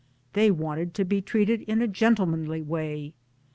They wanted to be treated in a gentlemanly way.